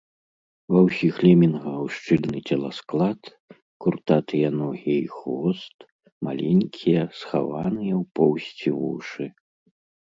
Ва ўсіх лемінгаў шчыльны целасклад, куртатыя ногі і хвост, маленькія, схаваныя ў поўсці вушы.